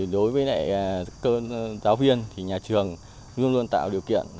đối với các giáo viên nhà trường luôn luôn tạo điều kiện